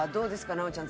奈央ちゃん。